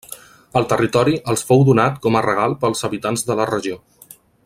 El territori els fou donat com a regal pels habitants de la regió.